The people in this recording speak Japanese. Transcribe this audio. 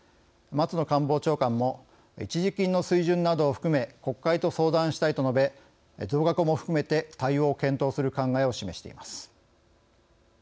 松野官房長官も「一時金の水準などを含め国会と相談したい」と述べ増額も含めて対応を検討する考えを示しています。